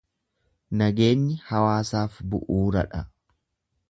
Nageenyi hawaasaaf bu’uura dha.